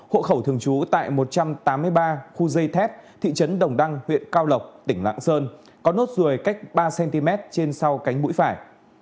hộ khẩu thường trú tại một trăm tám mươi ba khu dây thép thị trấn đồng đăng huyện cao lộc tỉnh lạng sơn có nốt ruồi cách ba cm trên sau cánh mũi phải